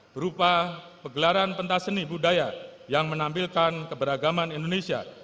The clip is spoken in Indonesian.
berupa pegelaran pentas seni budaya yang menampilkan keberagaman indonesia